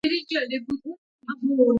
لعل د افغان ماشومانو د لوبو موضوع ده.